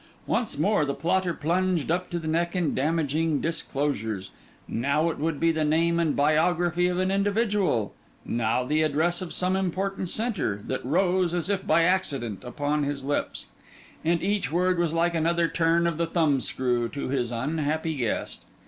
Once more, the plotter plunged up to the neck in damaging disclosures: now it would be the name and biography of an individual, now the address of some important centre, that rose, as if by accident, upon his lips; and each word was like another turn of the thumbscrew to his unhappy guest.